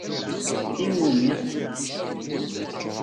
I wumi?